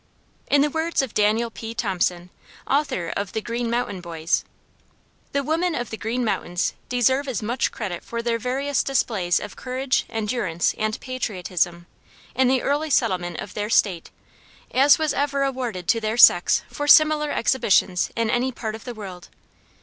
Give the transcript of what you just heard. In the words of Daniel P. Thompson, author of "The Green Mountain Boys": "The women of the Green Mountains deserve as much credit for their various displays of courage, endurance, and patriotism, in the early settlement of their State, as was ever awarded to their sex for similar exhibitions in any part of the world.